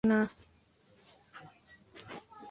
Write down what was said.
আচ্ছা, বলবো না।